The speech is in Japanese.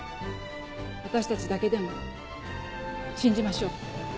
私たちだけでも信じましょう。